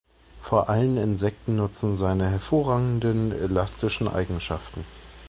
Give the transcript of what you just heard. Vor allem Insekten nutzen seine hervorragenden elastischen Eigenschaften.